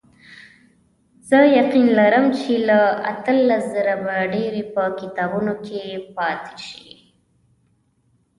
زه یقین لرم چې له اتلس زره به ډېرې په کتابونو کې پاتې شي.